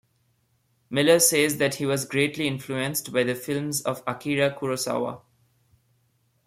Miller says that he was greatly influenced by the films of Akira Kurosawa.